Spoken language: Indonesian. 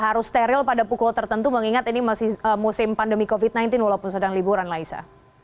harus steril pada pukul tertentu mengingat ini masih musim pandemi covid sembilan belas walaupun sedang liburan laisa